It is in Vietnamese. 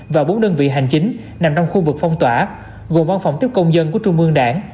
và bốn đơn vị hành chính nằm trong khu vực phong tỏa gồm văn phòng tiếp công dân của trung ương đảng